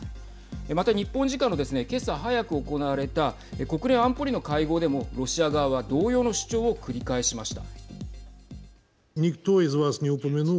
また日本時間のですね今朝早く行われた国連安保理の会合でもロシア側は同様の主張を繰り返しました。